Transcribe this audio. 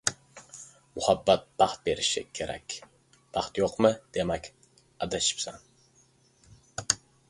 Muhabbat baxt berishi kerak. Baxt yo‘qmi, demak, adashibsan.